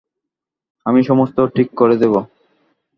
আমি সমস্তই ঠিক করে দেব।